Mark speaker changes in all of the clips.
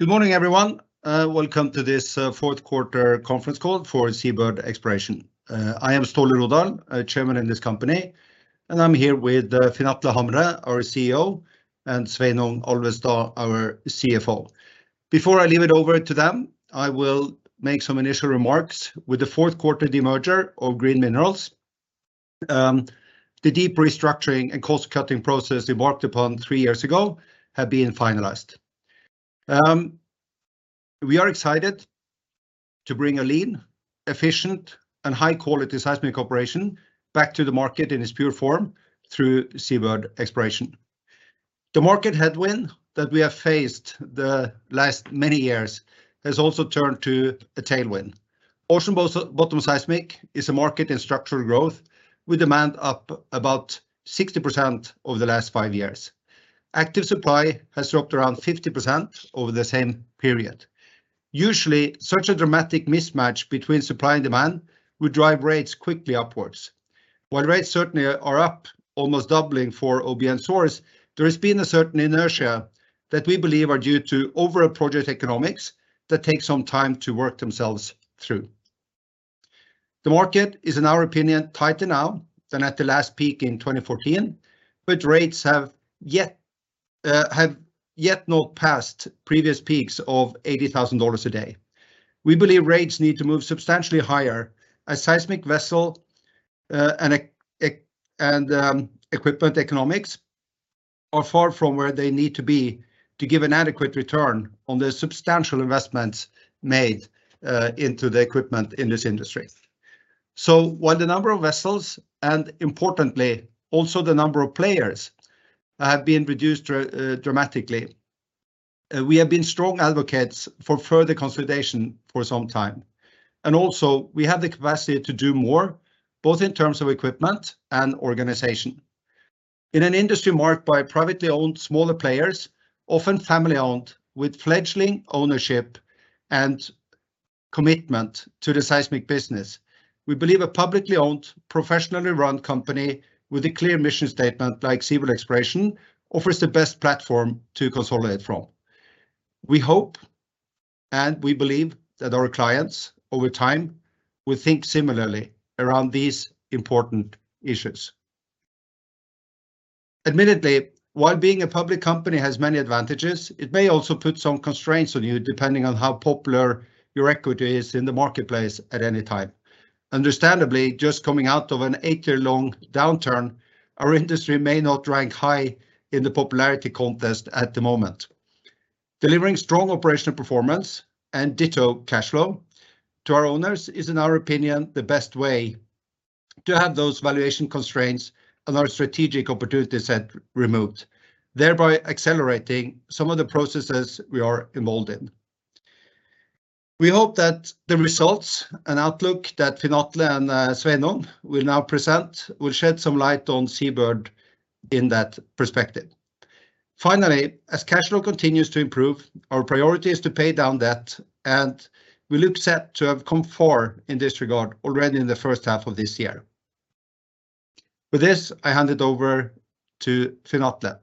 Speaker 1: Good morning, everyone. Welcome to this fourth quarter conference call for SeaBird Exploration. I am Ståle Rodahl, chairman in this company, and I'm here with Finn Atle Hamre, our CEO, and Sveinung Olvestad, our CFO. Before I leave it over to them, I will make some initial remarks. With the fourth quarter demerger of Green Minerals, the deep restructuring and cost-cutting process we embarked upon three years ago have been finalized. We are excited to bring a lean, efficient, and high-quality seismic operation back to the market in its pure form through SeaBird Exploration. The market headwind that we have faced the last many years has also turned to a tailwind. Ocean bottom seismic is a market in structural growth with demand up about 60% over the last five years. Active supply has dropped around 50% over the same period. Usually, such a dramatic mismatch between supply and demand would drive rates quickly upwards. While rates certainly are up, almost doubling for OBN source, there has been a certain inertia that we believe are due to overall project economics that take some time to work themselves through. The market is, in our opinion, tighter now than at the last peak in 2014, but rates have yet not passed previous peaks of $80,000 a day. We believe rates need to move substantially higher as seismic vessel and equipment economics are far from where they need to be to give an adequate return on the substantial investments made into the equipment in this industry. While the number of vessels, and importantly, also the number of players, have been reduced dramatically, we have been strong advocates for further consolidation for some time. Also, we have the capacity to do more, both in terms of equipment and organization. In an industry marked by privately owned smaller players, often family-owned, with fledgling ownership and commitment to the seismic business, we believe a publicly owned, professionally run company with a clear mission statement like SeaBird Exploration offers the best platform to consolidate from. We hope and we believe that our clients over time will think similarly around these important issues. Admittedly, while being a public company has many advantages, it may also put some constraints on you, depending on how popular your equity is in the marketplace at any time. Understandably, just coming out of an eight-year-long downturn, our industry may not rank high in the popularity contest at the moment. Delivering strong operational performance and ditto cash flow to our owners is, in our opinion, the best way to have those valuation constraints and our strategic opportunity set removed, thereby accelerating some of the processes we are involved in. We hope that the results and outlook that Finn Atle and Sveinung will now present will shed some light on SeaBird in that perspective. Finally, as cash flow continues to improve, our priority is to pay down debt, and we look set to have come far in this regard already in the first half of this year. With this, I hand it over to Finn Atle.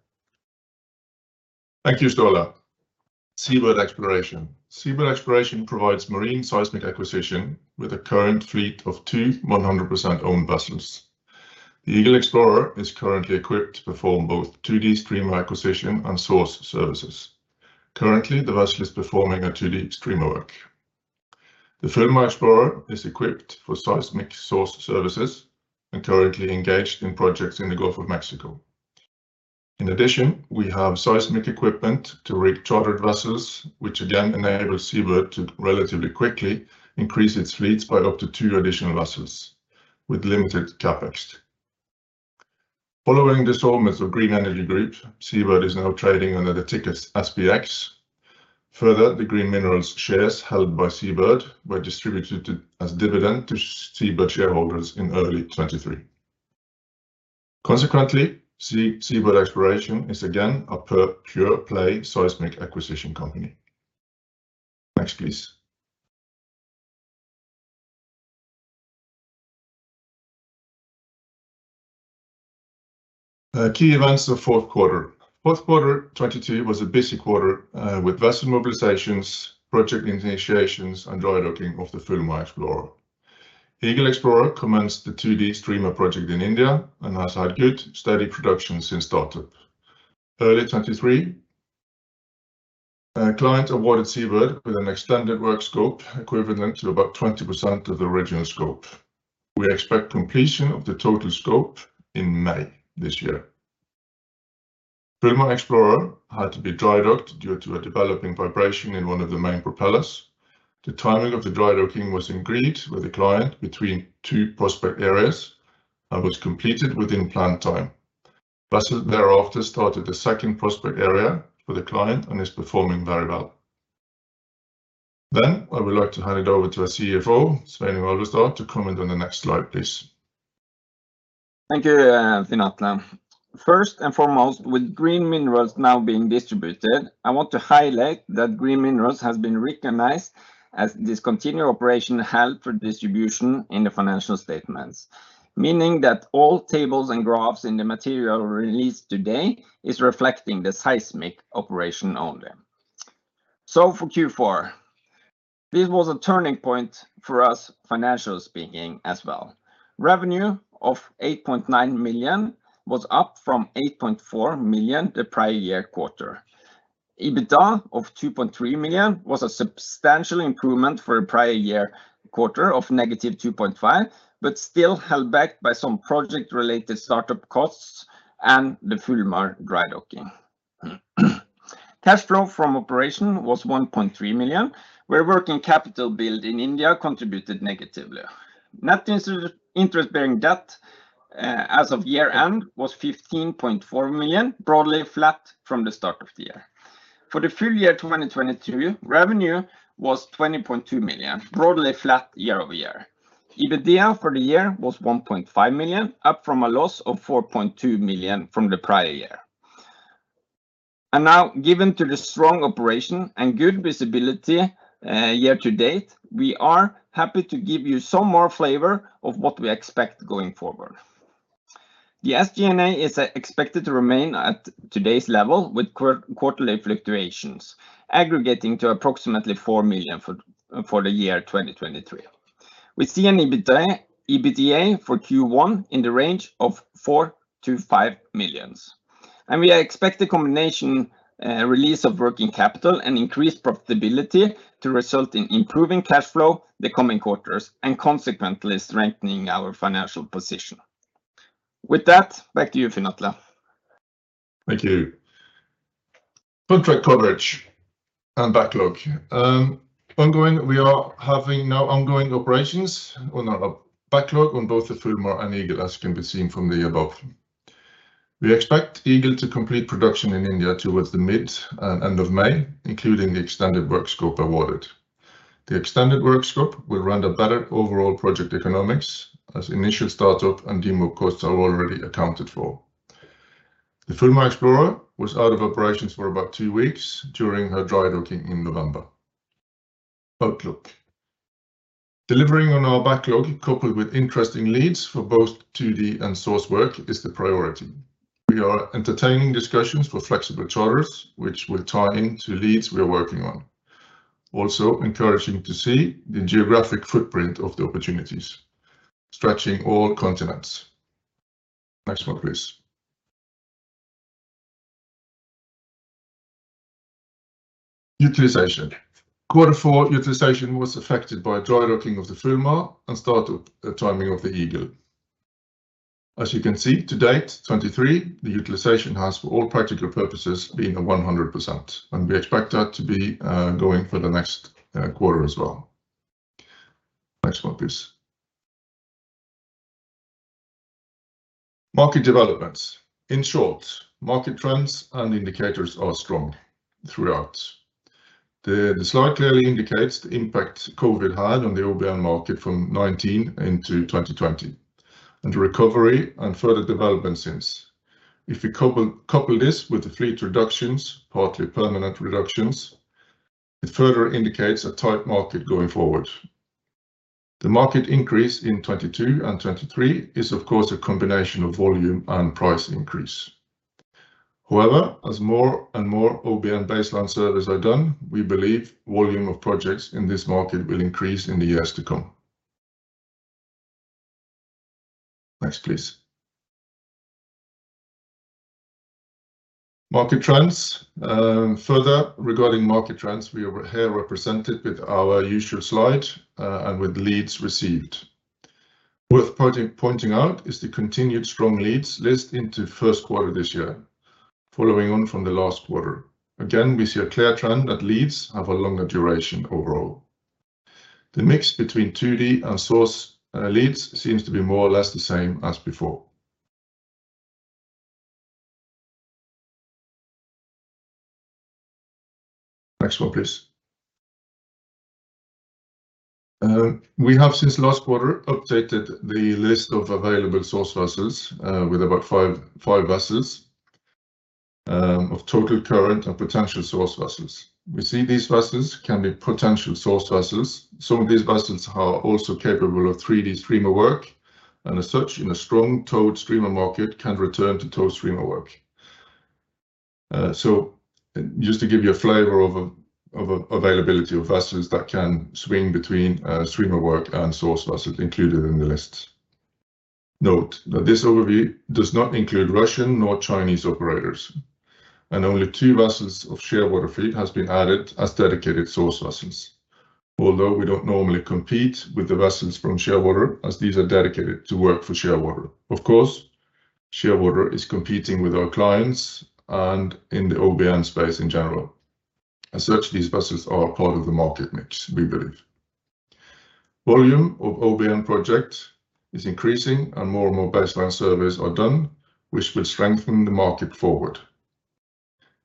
Speaker 2: Thank you, Ståle. SeaBird Exploration. SeaBird Exploration provides marine seismic acquisition with a current fleet of two 100% owned vessels. The Eagle Explorer is currently equipped to perform both 2D streamer acquisition and source services. Currently, the vessel is performing a 2D streamer work. The Fulmar Explorer is equipped for seismic source services and currently engaged in projects in the Gulf of Mexico. In addition, we have seismic equipment to rig chartered vessels, which again enable SeaBird to relatively quickly increase its fleets by up to two additional vessels with limited CapEx. Following divestment of Green Energy Group, SeaBird is now trading under the ticket SBX. The Green Minerals shares held by SeaBird were distributed as dividend to SeaBird shareholders in early 2023. Consequently, SeaBird Exploration is again a pure-play seismic acquisition company. Next, please. Key events of fourth quarter. Fourth quarter 2022 was a busy quarter, with vessel mobilizations, project initiations, and dry-docking of the Fulmar Explorer. Eagle Explorer commenced the 2D streamer project in India and has had good, steady production since startup. Early 2023, a client awarded SeaBird with an extended work scope equivalent to about 20% of the original scope. We expect completion of the total scope in May this year. Fulmar Explorer had to be dry-docked due to a developing vibration in one of the main propellers. The timing of the dry-docking was agreed with the client between two prospect areas and was completed within planned time. Vessel thereafter started the second prospect area for the client and is performing very well. I would like to hand it over to our CFO, Sveinung Olvestad, to comment on the next slide, please.
Speaker 3: Thank you, Finn Atle. First and foremost, with Green Minerals now being distributed, I want to highlight that Green Minerals has been recognized as discontinued operation held for distribution in the financial statements, meaning that all tables and graphs in the material released today is reflecting the seismic operation only. For Q4, this was a turning point for us financial speaking as well. Revenue of $8.9 million was up from $8.4 million the prior year quarter. EBITDA of $2.3 million was a substantial improvement for a prior year quarter of -$2.5 million, but still held back by some project related startup costs and the Fulmar drydocking. Cash flow from operation was $1.3 million, where working capital build in India contributed negatively. Net interest-bearing debt as of year-end was $15.4 million, broadly flat from the start of the year. For the full year 2022, revenue was $20.2 million, broadly flat year-over-year. EBITDA for the year was $1.5 million, up from a loss of $4.2 million from the prior year. Given to the strong operation and good visibility, year to date, we are happy to give you some more flavor of what we expect going forward. The SG&A is expected to remain at today's level with quarterly fluctuations aggregating to approximately $4 million for the year 2023. We see an EBITDA for Q1 in the range of $4 million-$5 million, and we expect a combination release of working capital and increased profitability to result in improving cash flow the coming quarters and consequently strengthening our financial position. With that, back to you, Finn Atle.
Speaker 2: Thank you. Contract coverage and backlog. Ongoing, we are having now ongoing operations on our backlog on both the Fulmar and Eagle, as can be seen from the above. We expect Eagle to complete production in India towards the mid and end of May, including the extended work scope awarded. The extended work scope will render better overall project economics as initial startup and demo costs are already accounted for. The Fulmar Explorer was out of operations for about two weeks during her drydocking in November. Outlook. Delivering on our backlog coupled with interesting leads for both 2D and source work is the priority. We are entertaining discussions for flexible charters, which will tie into leads we are working on. Also encouraging to see the geographic footprint of the opportunities stretching all continents. Next one, please. Utilization. Quarter four utilization was affected by drydocking of the Fulmar Explorer and start up timing of the Eagle Explorer. As you can see, to date, 2023, the utilization has, for all practical purposes, been 100%, and we expect that to be going for the next quarter as well. Next one, please. Market developments. In short, market trends and indicators are strong throughout. The slide clearly indicates the impact COVID had on the OBN market from 2019 into 2020 and the recovery and further development since. If you couple this with the fleet reductions, partly permanent reductions, it further indicates a tight market going forward. The market increase in 2022 and 2023 is of course a combination of volume and price increase. As more and more OBN baseline surveys are done, we believe volume of projects in this market will increase in the years to come. Next, please. Market trends. Further regarding market trends, we are here represented with our usual slide and with leads received. Worth pointing out is the continued strong leads list into first quarter this year. Following on from the last quarter, again, we see a clear trend that leads have a longer duration overall. The mix between 2D and source leads seems to be more or less the same as before. Next one, please. We have since last quarter updated the list of available source vessels with about five vessels of total current and potential source vessels. We see these vessels can be potential source vessels. Some of these vessels are also capable of 3D streamer work, and as such, in a strong towed streamer market can return to towed streamer work. Just to give you a availability of vessels that can swing between streamer work and source vessels included in the list. Note that this overview does not include Russian nor Chinese operators, and only two vessels of Shearwater fleet has been added as dedicated source vessels. We don't normally compete with the vessels from Shearwater as these are dedicated to work for Shearwater. Of course, Shearwater is competing with our clients and in the OBN space in general. As such, these vessels are part of the market mix, we believe. Volume of OBN projects is increasing and more and more baseline surveys are done, which will strengthen the market forward.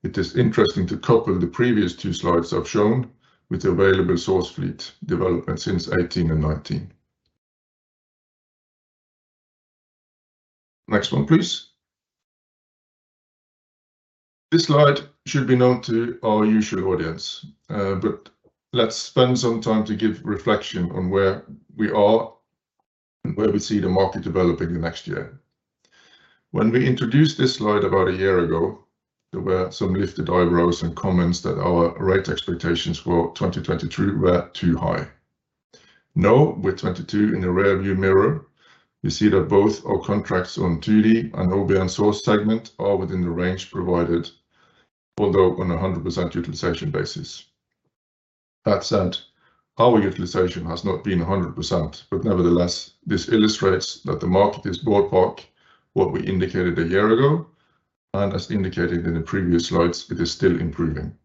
Speaker 2: It is interesting to couple the previous two slides I've shown with the available source fleet development since 2018 and 2019. Next one, please. This slide should be known to our usual audience, but let's spend some time to give reflection on where we are and where we see the market developing the next year. When we introduced this slide about a year ago, there were some lifted eyebrows and comments that our rate expectations for 2023 were too high. Now with 2022 in the rear view mirror, we see that both our contracts on 2D and OBN source segment are within the range provided, although on a 100% utilization basis. That said, our utilization has not been a 100%, but nevertheless, this illustrates that the market is ballpark what we indicated a year ago, and as indicated in the previous slides, it is still improving.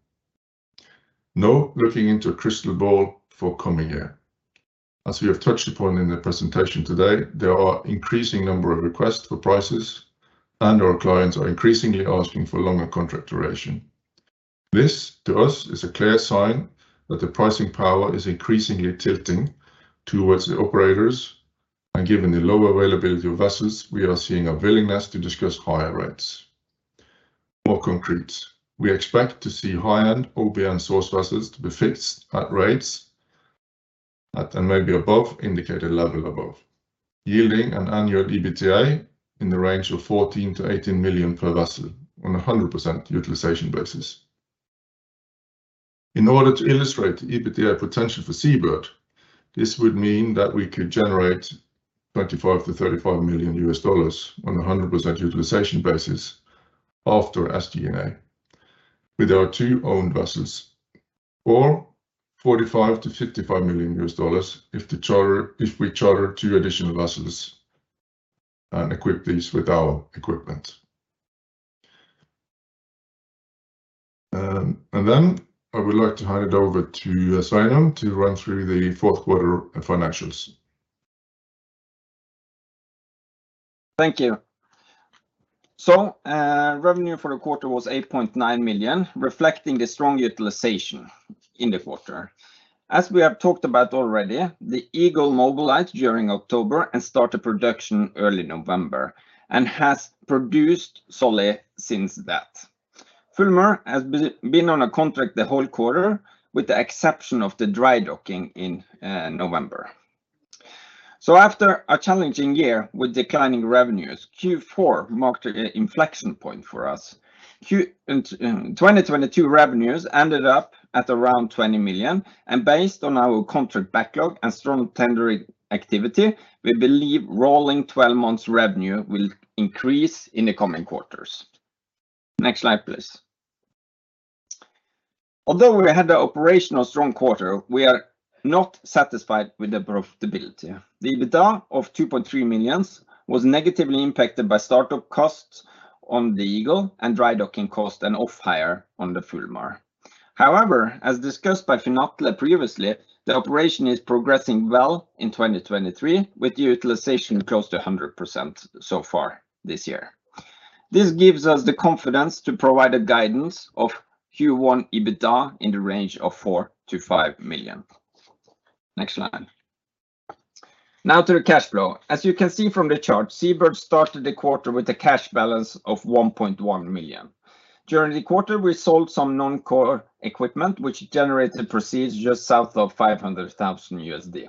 Speaker 2: Now looking into a crystal ball for coming year. As we have touched upon in the presentation today, there are increasing number of requests for prices, and our clients are increasingly asking for longer contract duration. This, to us, is a clear sign that the pricing power is increasingly tilting towards the operators. Given the low availability of vessels, we are seeing a willingness to discuss higher rates. More concrete, we expect to see high-end OBN source vessels to be fixed at rates at, and maybe above, indicated level above, yielding an annual EBITDA in the range of $14 million-$18 million per vessel on a 100% utilization basis. In order to illustrate EBITDA potential for SeaBird, this would mean that we could generate $25 million-$35 million on a 100% utilization basis after SG&A with our two owned vessels, or $45 million-$55 million if we charter two additional vessels and equip these with our equipment. I would like to hand it over to Sveinung to run through the fourth quarter financials.
Speaker 3: Thank you. Revenue for the quarter was $8.9 million, reflecting the strong utilization in the quarter. As we have talked about already, the Eagle mobilized during October and started production early November, and has produced solely since that. Fulmar has been on a contract the whole quarter, with the exception of the dry docking in November. After a challenging year with declining revenues, Q4 marked an inflection point for us. 2022 revenues ended up at around $20 million, and based on our contract backlog and strong tendering activity, we believe rolling 12 months revenue will increase in the coming quarters. Next slide, please. Although we had the operational strong quarter, we are not satisfied with the profitability. The EBITDA of $2.3 million was negatively impacted by startup costs on the Eagle and dry docking cost and off-hire on the Fulmar. However, as discussed by Finn Atle previously, the operation is progressing well in 2023, with utilization close to 100% so far this year. This gives us the confidence to provide a guidance of Q1 EBITDA in the range of $4 million-$5 million. Next slide. To the cash flow. As you can see from the chart, SeaBird started the quarter with a cash balance of $1.1 million. During the quarter, we sold some non-core equipment, which generated proceeds just south of $500,000.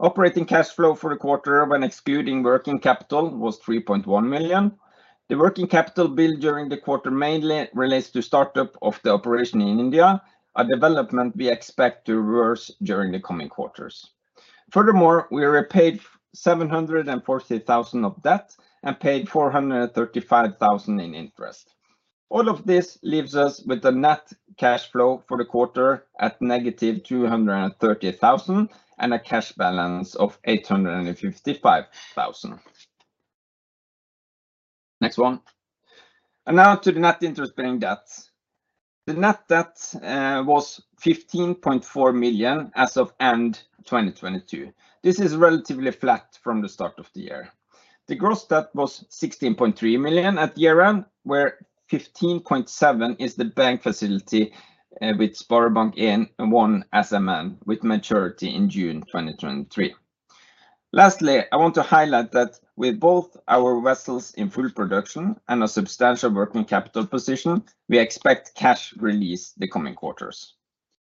Speaker 3: Operating cash flow for the quarter when excluding working capital was $3.1 million. The working capital build during the quarter mainly relates to startup of the operation in India, a development we expect to reverse during the coming quarters. Furthermore, we repaid $740,000 of debt and paid $435,000 in interest. All of this leaves us with a net cash flow for the quarter at -$230,000 and a cash balance of $855,000. Next one. Now to the net interest-bearing debt. The net debt was $15.4 million as of end 2022. This is relatively flat from the start of the year. The gross debt was $16.3 million at year-end, where $15.7 million is the bank facility with SpareBank 1 SMN, with maturity in June 2023. Lastly, I want to highlight that with both our vessels in full production and a substantial working capital position, we expect cash release the coming quarters.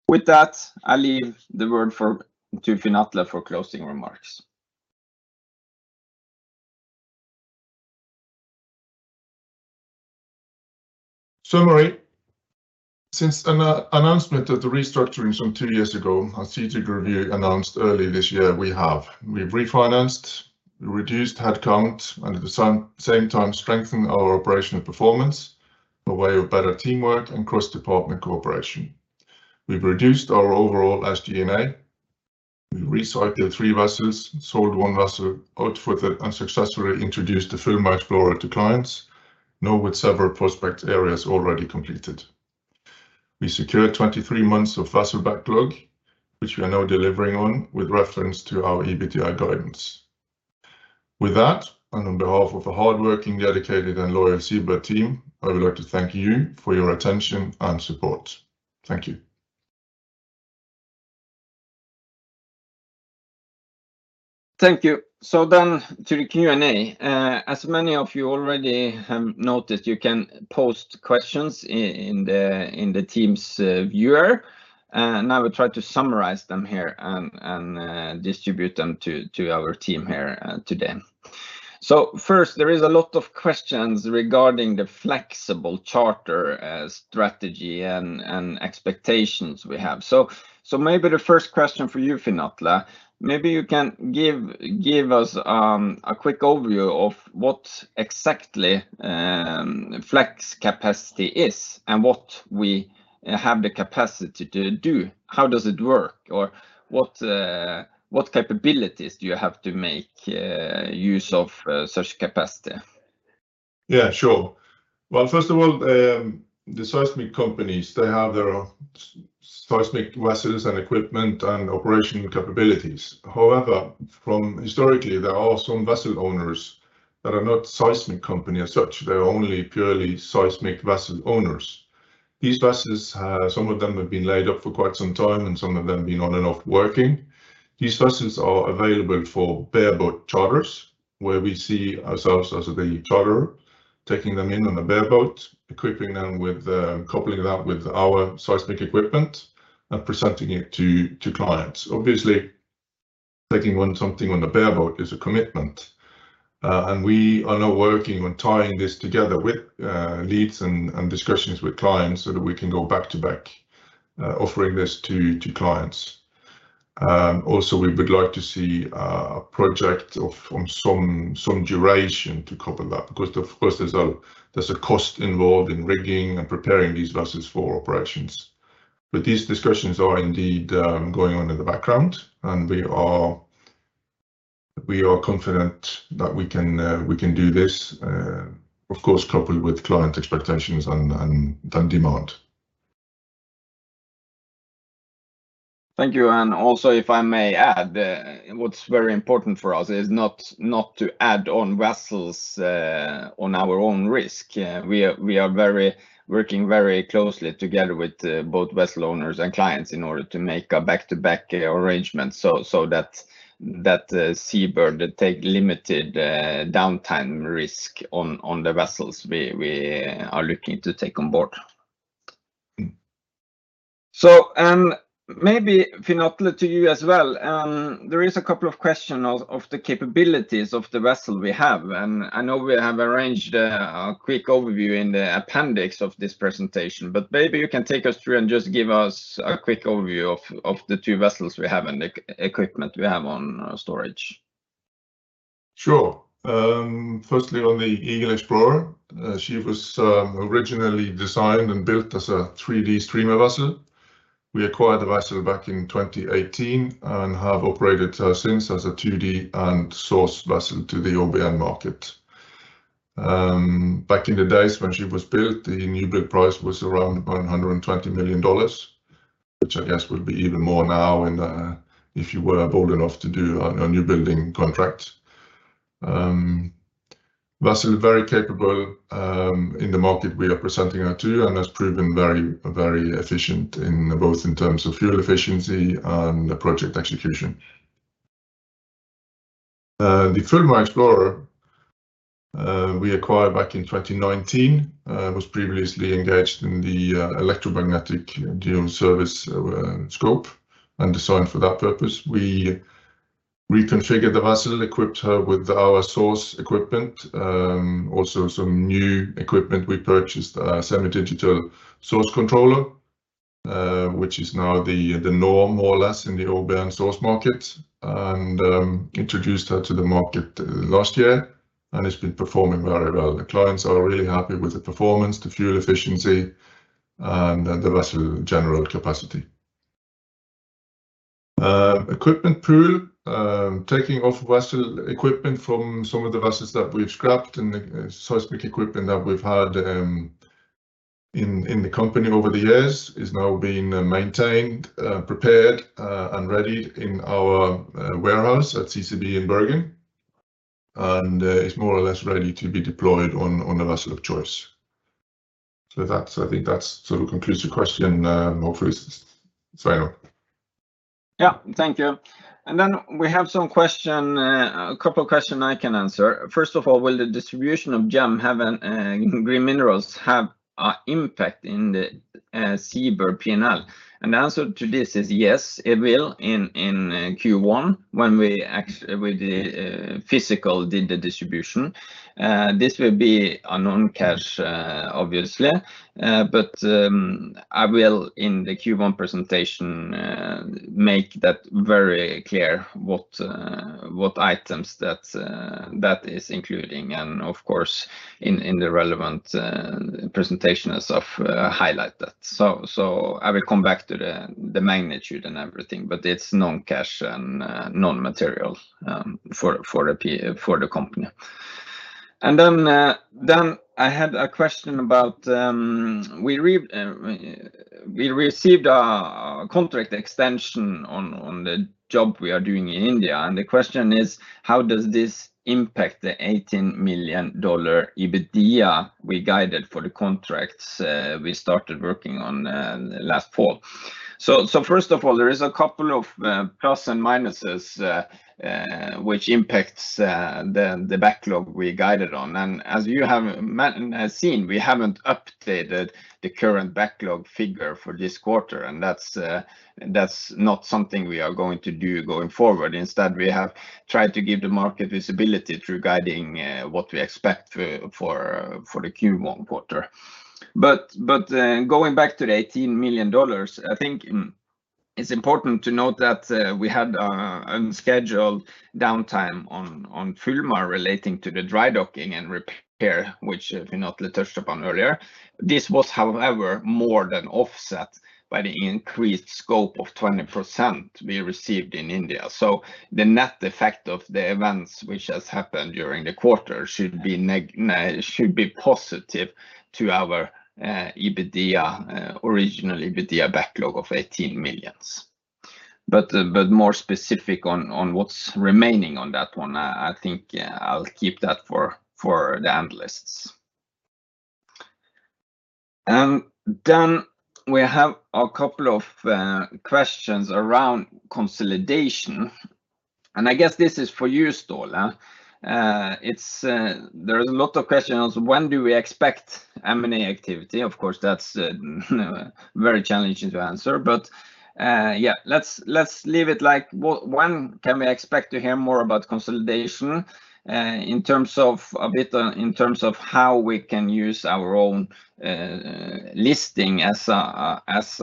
Speaker 3: With that, I leave the word for to Finn Atle for closing remarks.
Speaker 2: Summary. Since an announcement of the restructurings from two years ago, our strategic review announced early this year, we have: we've refinanced, reduced head count, and at the same time strengthened our operational performance by way of better teamwork and cross-department cooperation. We've reduced our overall SG&A. We recycled three vessels, sold one vessel out for the unsuccessfully introduced the Fulmar Explorer to clients. Now with several prospect areas already completed. We secured 23 months of vessel backlog, which we are now delivering on with reference to our EBITDA guidance. With that, and on behalf of a hardworking, dedicated, and loyal SeaBird team, I would like to thank you for your attention and support. Thank you.
Speaker 3: Thank you. To the Q&A. As many of you already have noticed, you can post questions in the Teams viewer, and I will try to summarize them here and distribute them to our team here today. First there is a lot of questions regarding the flexible charter as strategy and expectations we have. Maybe the first question for you, Finn Atle, maybe you can give us a quick overview of what exactly flex capacity is and what we have the capacity to do. How does it work? Or what capabilities do you have to make use of such capacity?
Speaker 2: Yeah, sure. Well, first of all, the seismic companies, they have their own seismic vessels and equipment and operational capabilities. However, from historically, there are some vessel owners that are not seismic company as such. They are only purely seismic vessel owners. These vessels, some of them have been laid up for quite some time, and some of them have been on and off working. These vessels are available for bareboat charters, where we see ourselves as the charterer, taking them in on a bareboat, equipping them with, coupling that with our seismic equipment and presenting it to clients. Obviously, taking on something on a bareboat is a commitment. We are now working on tying this together with leads and discussions with clients so that we can go back to back, offering this to clients. Also, we would like to see a project of on some duration to cover that because of course there's a cost involved in rigging and preparing these vessels for operations. These discussions are indeed going on in the background, and we are confident that we can do this, of course, coupled with client expectations and demand.
Speaker 3: Thank you. Also, if I may add, what's very important for us is not to add on vessels, on our own risk. We are working very closely together with both vessel owners and clients in order to make a back-to-back arrangement so that SeaBird take limited downtime risk on the vessels we are looking to take on board. Maybe Finn Atle to you as well, there is a couple of questions of the capabilities of the vessel we have. I know we have arranged a quick overview in the appendix of this presentation, but maybe you can take us through and just give us a quick overview of the two vessels we have and equipment we have on storage.
Speaker 2: Sure. Firstly, on the Eagle Explorer, she was originally designed and built as a 3D streamer vessel. We acquired the vessel back in 2018 and have operated her since as a 2D and source vessel to the OBN market. Back in the days when she was built, the new build price was around $120 million, which I guess would be even more now and if you were bold enough to do a new building contract. Vessel very capable in the market we are presenting her to and has proven very efficient in both in terms of fuel efficiency and project execution. The Fulmar Explorer, we acquired back in 2019, was previously engaged in the electromagnetic geoservice scope and designed for that purpose. We reconfigured the vessel, equipped her with our source equipment, also some new equipment. We purchased a semi-digital source controller, which is now the norm more or less in the OBN source market and introduced her to the market last year, and it's been performing very well. The clients are really happy with the performance, the fuel efficiency, and the vessel general capacity. Equipment pool, taking off vessel equipment from some of the vessels that we've scrapped and seismic equipment that we've had in the company over the years is now being maintained, prepared, and readied in our warehouse at CCB in Bergen, and is more or less ready to be deployed on the vessel of choice. That's I think that's sort of concludes the question, hopefully, Sveinung.
Speaker 3: Thank you. We have some question, a couple of question I can answer. First of all, will the distribution of GEM have Green Minerals have a impact in the SeaBird P&L? The answer to this is yes, it will in Q1 when we physical did the distribution. This will be a non-cash, obviously. But I will in the Q1 presentation make that very clear what items that is including and of course in the relevant presentation as I've highlighted. I will come back to the magnitude and everything, but it's non-cash and non-material for the company. Then I had a question about, we received a contract extension on the job we are doing in India. The question is how does this impact the $18 million EBITDA we guided for the contracts we started working on last fall? First of all, there is a couple of plus and minuses which impacts the backlog we guided on. As you have seen, we haven't updated the current backlog figure for this quarter, and that's not something we are going to do going forward. Instead, we have tried to give the market visibility through guiding what we expect for the Q1 quarter. Going back to the $18 million, I think it's important to note that we had unscheduled downtime on Fulmar relating to the dry docking and repair, which if you not touched upon earlier. This was, however, more than offset by the increased scope of 20% we received in India. The net effect of the events which has happened during the quarter should be positive to our EBITDA original EBITDA backlog of $18 million. More specific on what's remaining on that one, I think, yeah, I'll keep that for the analysts. We have a couple of questions around consolidation, and I guess this is for you, Ståle. It's there's a lot of questions on when do we expect M&A activity? Of course, that's very challenging to answer. Yeah, let's leave it like when can we expect to hear more about consolidation, in terms of, a bit in terms of how we can use our own, listing as a, as,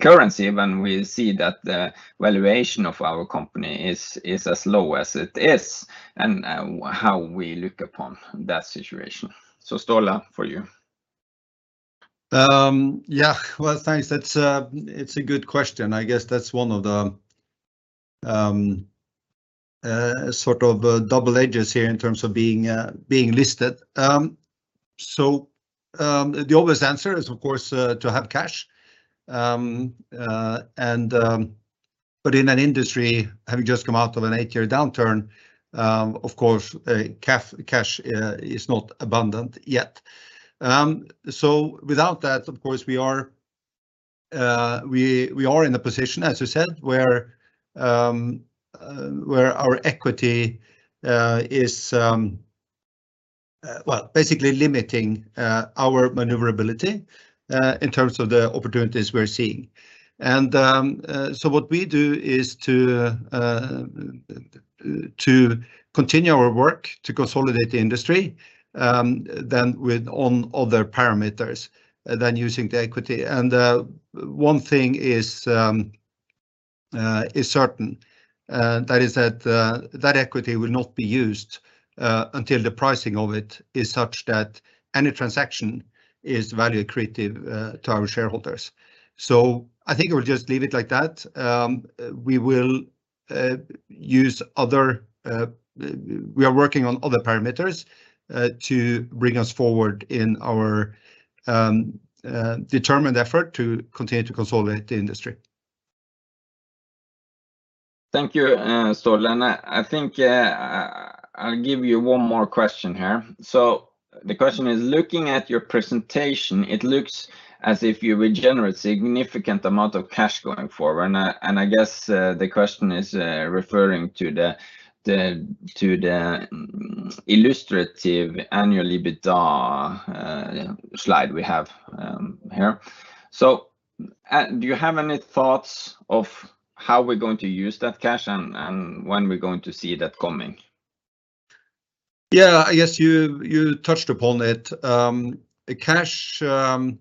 Speaker 3: currency when we see that the valuation of our company is as low as it is, and, how we look upon that situation? Ståle, for you.
Speaker 1: Yeah. Well, thanks. That's, it's a good question. I guess that's one of the sort of double edges here in terms of being listed. The obvious answer is, of course, to have cash. But in an industry, having just come out of an eight-year downturn, of course, cash is not abundant yet. Without that, of course, we are in a position, as you said, where our equity is well, basically limiting our maneuverability in terms of the opportunities we're seeing. What we do is to continue our work to consolidate the industry, then with on other parameters than using the equity. One thing is certain, that is that equity will not be used, until the pricing of it is such that any transaction is value creative, to our shareholders. I think I would just leave it like that. We will use other, we are working on other parameters, to bring us forward in our determined effort to continue to consolidate the industry.
Speaker 3: Thank you, Ståle. I think I'll give you one more question here. The question is, looking at your presentation, it looks as if you will generate significant amount of cash going forward. I guess the question is referring to the illustrative annual EBITDA slide we have here. Do you have any thoughts of how we're going to use that cash and when we're going to see that coming?
Speaker 1: Yeah. I guess you touched upon it. Cash, and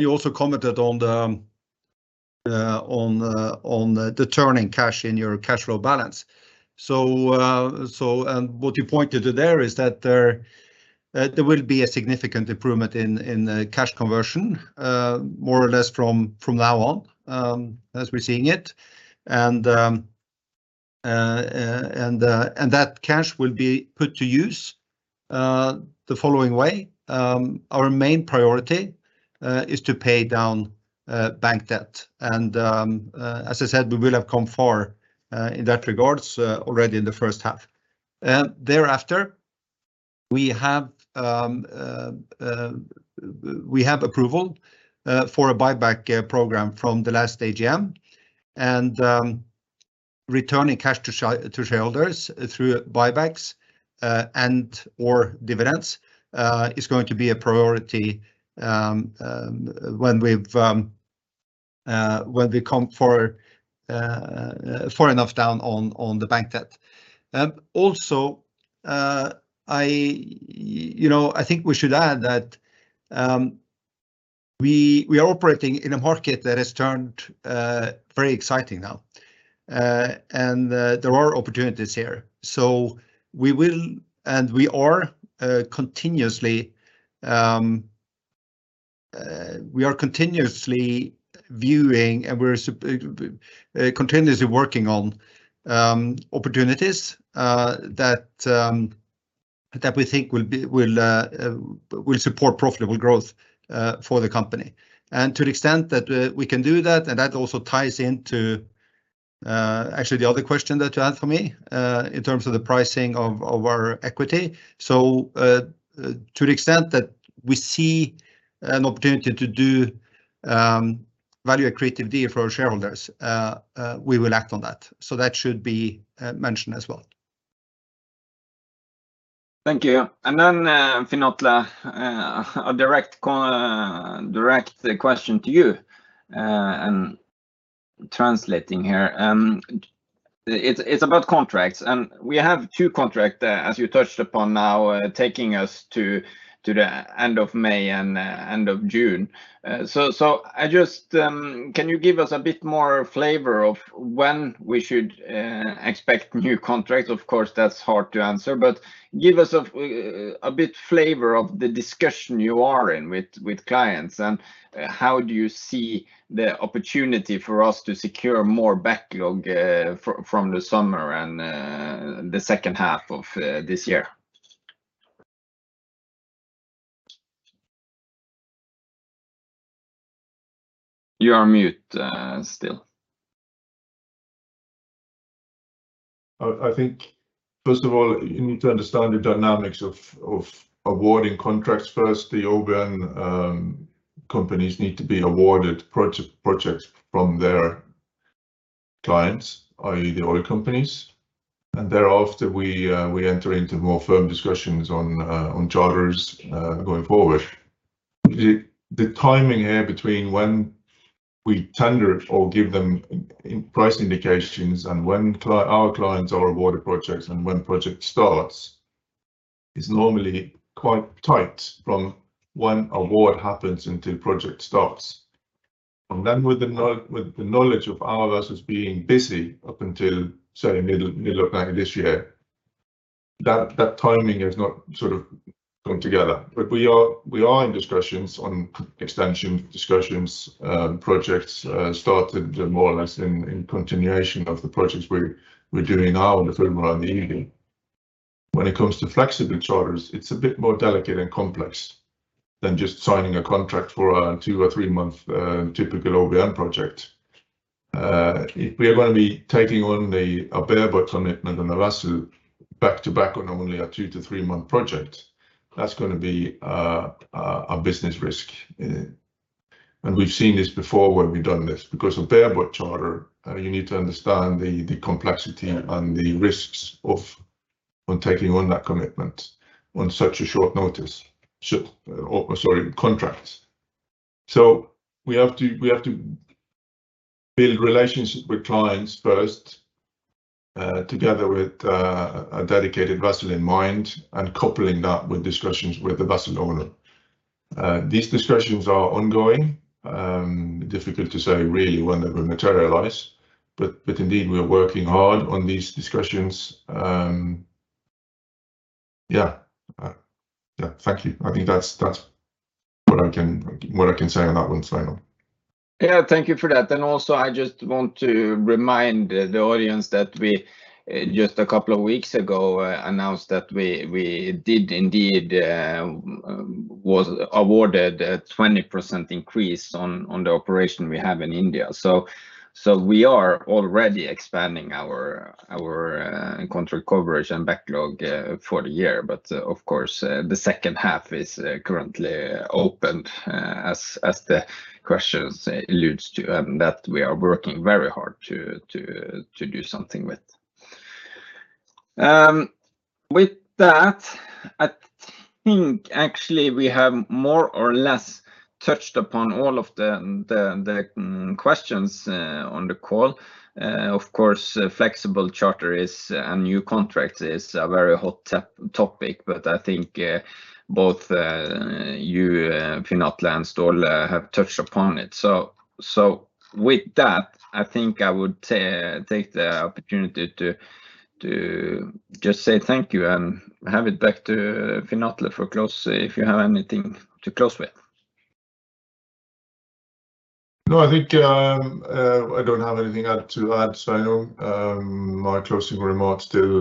Speaker 1: you also commented on the turning cash in your cash flow balance. What you pointed to there is that there will be a significant improvement in cash conversion more or less from now on as we're seeing it. That cash will be put to use the following way. Our main priority is to pay down bank debt. As I said, we will have come far in that regard already in the first half. Thereafter, we have approval for a buyback program from the last AGM, and returning cash to shareholders through buybacks and/or dividends is going to be a priority when we've come for enough down on the bank debt. I, you know, I think we should add that we are operating in a market that has turned very exciting now. There are opportunities here. We are continuously viewing and we're continuously working on opportunities that we think will be, will support profitable growth for the company. To the extent that we can do that, and that also ties into actually the other question that you had for me, in terms of the pricing of our equity. We will act on that. That should be mentioned as well.
Speaker 3: Thank you. Then, Finn Atle, a direct question to you, and translating here. It's about contracts, and we have two contract, as you touched upon now, taking us to the end of May and end of June. I just can you give us a bit more flavor of when we should expect new contracts? Of course, that's hard to answer, but give us a bit flavor of the discussion you are in with clients and how do you see the opportunity for us to secure more backlog, from the summer and the second half of this year. You are on mute, still.
Speaker 2: I think first of all, you need to understand the dynamics of awarding contracts first. The OBN companies need to be awarded projects from their clients, i.e. the oil companies, and thereafter we enter into more firm discussions on charters going forward. The timing here between when we tender or give them price indications and when our clients are awarded projects and when project starts is normally quite tight from when award happens until project starts. With the knowledge of all of us as being busy up until say, middle of May this year, that timing has not sort of come together. We are in discussions on extension discussions, projects started more or less in continuation of the projects we're doing now in the third one in the evening. When it comes to flexible charters, it's a bit more delicate and complex than just signing a contract for a two or three month, typical OBN project. If we are gonna be taking on a bareboat on it and on the vessel back to back on only a two to three-month project, that's gonna be a business risk. We've seen this before when we've done this because a bareboat charter, you need to understand the complexity and the risks of taking on that commitment on such a short notice. Or sorry, contracts. We have to build relationships with clients first, together with a dedicated vessel in mind and coupling that with discussions with the vessel owner. These discussions are ongoing. Difficult to say really when they will materialize, but indeed we are working hard on these discussions. Yeah, thank you. I think that's what I can, what I can say on that one, Sveinung.
Speaker 3: Yeah, thank you for that. Also I just want to remind the audience that we just a couple of weeks ago announced that we did indeed was awarded a 20% increase on the operation we have in India. We are already expanding our contract coverage and backlog for the year. Of course, the second half is currently open as the questions alludes to, and that we are working very hard to do something with. With that, I think actually we have more or less touched upon all of the questions on the call. Of course, flexible charter is, and new contract is a very hot topic. I think both you Finn Atle and Ståle have touched upon it. With that, I think I would take the opportunity to just say thank you and hand it back to Finn Atle for close if you have anything to close with.
Speaker 2: No, I think, I don't have anything to add, Sveinung. My closing remarks still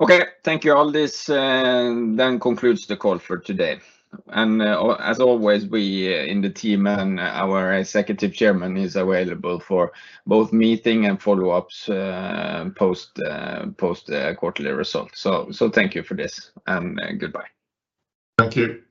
Speaker 2: stands as previous. Thank you.
Speaker 3: Okay. Thank you. All this, then concludes the call for today. As always, we in the team and our executive chairman is available for both meeting and follow-ups, post quarterly results. Thank you for this, and, goodbye.
Speaker 2: Thank you.